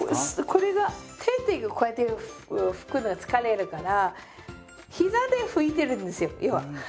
これが手でこうやって拭くのは疲れるから膝で拭いてるんですよ要は。